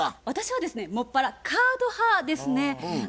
私はですねもっぱらカード派ですね。